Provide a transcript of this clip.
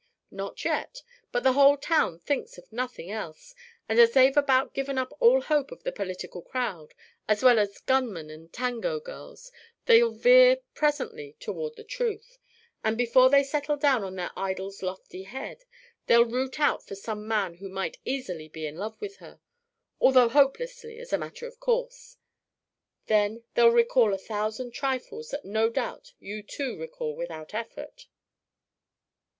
"Not yet. But the whole town thinks of nothing else. And as they've about given up all hope of the political crowd, as well as gunmen and tango girls, they'll veer presently toward the truth. But before they settle down on their idol's lofty head, they'll root about for some man who might easily be in love with her although hopelessly, as a matter of course. Then they'll recall a thousand trifles that no doubt you too recall without effort."